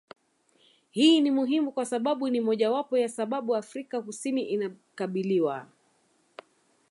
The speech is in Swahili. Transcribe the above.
Hii ni muhimu kwa sababu ni mojawapo ya sababu Afrika kusini inakabiliwa